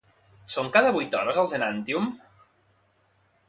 Són cada vuit hores els Enantyum?